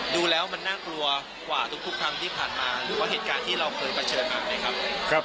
ดูแล้วมันน่ากลัวสกว่าทุกคำที่ผ่านมาหรือเหตุการณ์ที่เราเคยประเฉยบ้างไหมครับ